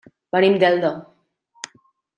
Venim d'Elda.